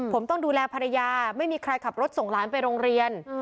ผมต้องดูแลภรรยาไม่มีใครขับรถส่งหลานไปโรงเรียน